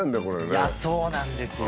いやそうなんですよ。